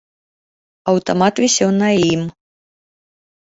Аўтамат вісеў на ім.